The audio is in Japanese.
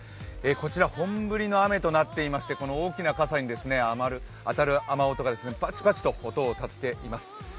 こちら本降りの雨となっていまして大きな傘に当たる雨音がバチバチと音を立てています。